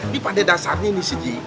di pada dasarnya nih sih ji